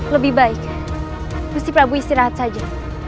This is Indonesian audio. lebih baik mesti prabu istirahat saja